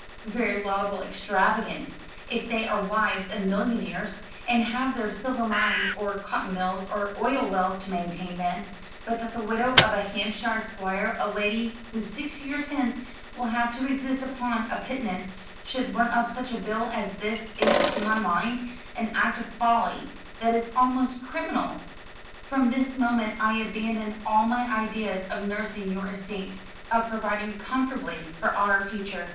"Very laudable extravagance, if they are wives of millionaires, and have their silver mines, or cotton mills, or oil wells to maintain them. But that the widow of a Hampshire squire, a lady who six years hence will have to exist upon a pittance, should run up such a bill as this is to my mind an act of folly that is almost criminal. From this moment I abandon all my ideas of nursing your estate, of providing comfortably for our future.